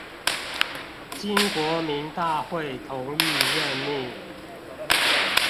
經國民大會同意任命